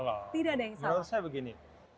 menurut saya begini